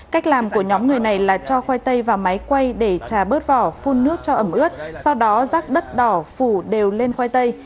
cách làm của nhóm người này là cho khoai tây và máy quay để trà bớt vỏ phun nước cho ẩm ướt sau đó rác đất đỏ phủ đều lên khoai tây